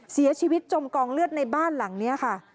เสียชีวิตจมกองเลือดในบ้านหลังนี้ค่ะ